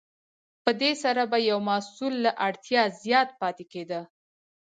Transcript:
په دې سره به یو محصول له اړتیا زیات پاتې کیده.